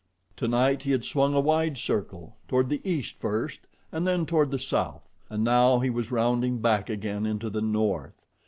Tonight he had swung a wide circle toward the east first and then toward the south, and now he was rounding back again into the north.